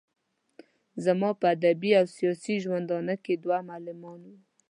زما په ادبي او سياسي ژوندانه کې دوه معلمان وو.